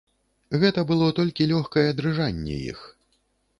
Гэта было толькі лёгкае дрыжанне іх.